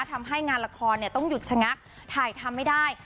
ทำให้งานละครเนี้ยต้องหยุดฉงักถ่ายทำให้ได้